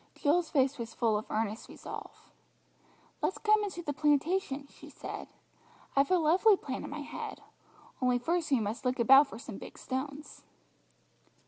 Jill's face was full of earnest resolve. "Let's come into the plantation," she said, "I've a lovely plan in my head; only first we must look about for some big stones."